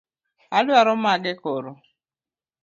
Idwaro mage koro?